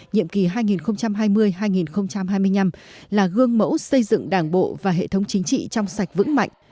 nhiệm kỳ hai nghìn hai mươi hai nghìn hai mươi năm là gương mẫu xây dựng đảng bộ và hệ thống chính trị trong sạch vững mạnh